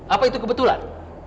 apa itu kebetulan